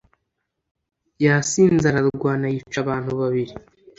yasinze ararwana yica abantu babiri